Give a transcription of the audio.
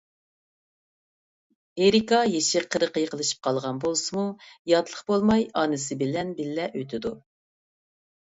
ئېرىكا يېشى قىرىققا يېقىنلىشىپ قالغان بولسىمۇ، ياتلىق بولماي ئانىسى بىلەن بىللە ئۆتىدۇ.